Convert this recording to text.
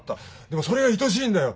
でもそれがいとしいんだよ。